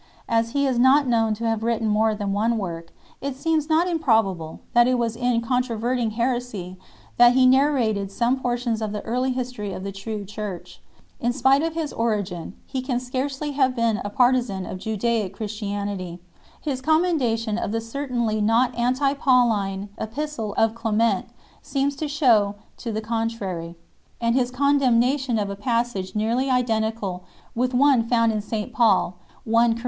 As he is not known to have written more than one work, it seems not impro bable that it was in controverting heresy that he narrated some portions of the early history of the true Church. In spite of his origin, he can scarcely have been a partizan of Judaic Christianity; his commendation of the certainly not anti Pauline epistle of Clement seems to shew to the contrary ; and his condemnation of a passage nearly iden tical with one found in St Paul (1 Cor.